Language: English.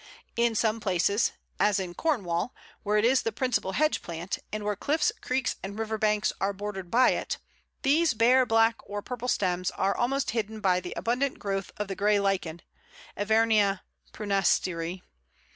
In some places as in Cornwall, where it is the principal hedge plant, and where cliffs, creeks, and river banks are bordered by it these bare black or purple stems are almost hidden by the abundant growth of the Grey Lichen (Evernia prunastri).